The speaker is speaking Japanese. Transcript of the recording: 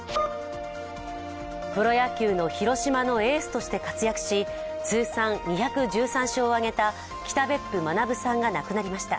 プロ野球の広島のエースとして活躍し、通算２１３勝を挙げた北別府学さんが亡くなりました。